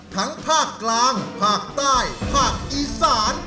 ภาคกลางภาคใต้ภาคอีสาน